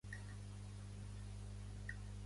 Posa la cançó "El far del sud" que m'agrada molt